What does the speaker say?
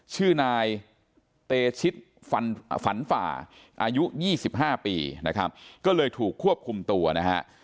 ชื่อนายเตชิตฝันฝ่าอายุ๒๕ปีนะครับก็เลยถูกควบคุมตัวนะฮะ